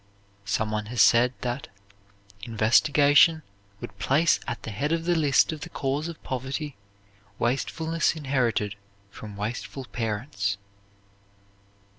Some one has said that "investigation would place at the head of the list of the cause of poverty, wastefulness inherited from wasteful parents."